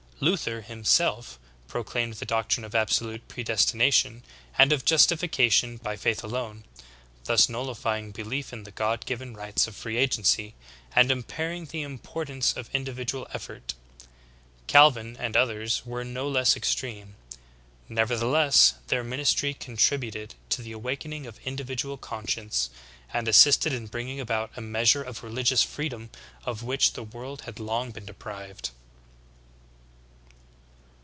Luther, himself, proclaimed the doctrine of absolute predestination and of justification by faith alone, thus nullifying belief in the God given rights of free agency, and impairing the import ance of individual effort/ Calvin and others were no less extreme. Nevertheless their ministry contributed to the awakening of individual conscience, and assisted in bringing about a measure of religious freedom of which the world had long been deprived.